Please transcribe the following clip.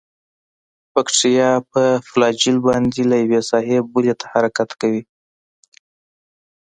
باکتریا په فلاجیل باندې له یوې ساحې بلې ته حرکت کوي.